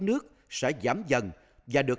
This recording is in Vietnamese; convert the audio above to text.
nước sẽ giảm dần và được